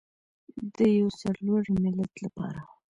د یو سرلوړي ملت لپاره.